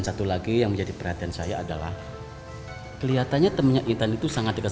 satu lagi yang menjadi perhatian saya adalah kelihatannya minyak intan itu sangat dekat